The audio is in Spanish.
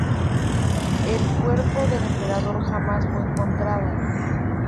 El cuerpo del Emperador jamás fue encontrado.